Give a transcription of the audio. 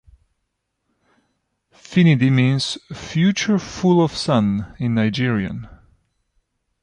Finidi means "Future full of sun" in Nigerian.